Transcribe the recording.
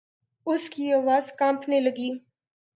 اس کی آواز کانپنے لگی۔